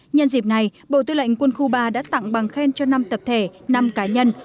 nhân dịp này bộ tư lệnh quân khu ba đã tặng bằng khen cho năm tập thể năm cá nhân